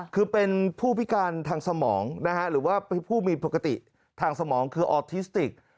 คือเป็นผู้พิการทางสมองนะฮะหรือว่าผู้มีปกติทางสมองคือออทิสติก